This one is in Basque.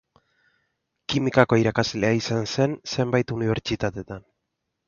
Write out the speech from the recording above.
Kimikako irakaslea izan zen zenbait unibertsitatetan.